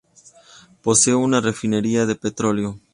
Posee una refinería de petróleo.